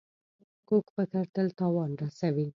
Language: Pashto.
کوږ فکر تل تاوان رسوي